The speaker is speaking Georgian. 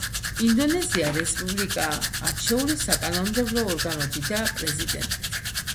ინდონეზია რესპუბლიკაა, არჩეული საკანონმდებლო ორგანოთი და პრეზიდენტით.